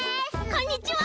こんにちは！